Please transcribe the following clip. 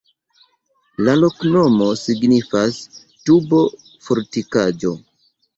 La loknomo signifas: tubo-fortikaĵo.